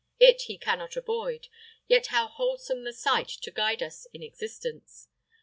It he cannot avoid; yet, how wholesome the sight to guide us in existence!